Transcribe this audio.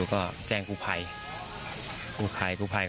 โป่งแร่ตำบลพฤศจิตภัณฑ์